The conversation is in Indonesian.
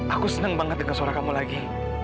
aku seneng banget denger suara kamu lagi